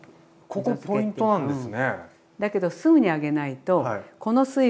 ここポイントなんですね。